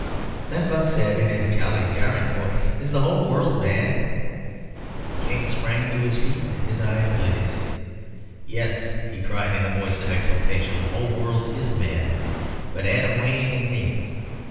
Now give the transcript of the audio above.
Then Buck said, in his jolly, jarring voice: "Is the whole world mad?" The King sprang to his feet, and his eyes blazed. "Yes," he cried, in a voice of exultation, "the whole world is mad, but Adam Wayne and me.